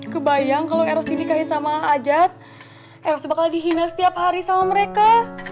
kebayang kalau eros dinikahin sama ajad eros bakal dihina setiap hari sama mereka